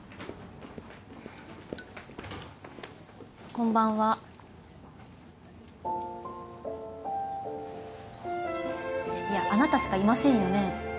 こんばんはいやあなたしかいませんよね？